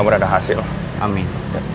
berada hasil amin